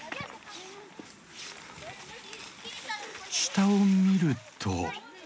下を見ると。